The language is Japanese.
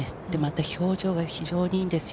表情が非常にいいんですよ。